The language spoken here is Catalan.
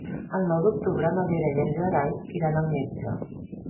El nou d'octubre na Vera i en Gerai iran al metge.